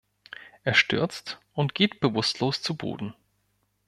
Er stürzt und geht bewusstlos zu Boden.